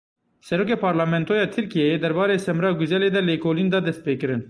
Serokê Parlamentoya Tirkiyeyê, derbarê Semra Guzelê de lêkolîn da destpêkirin.